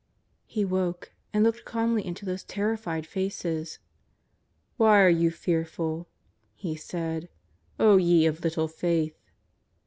" He woke, and looked calmly into those terrified faces. " Why are you fearful," He said, " O ye of little faith!"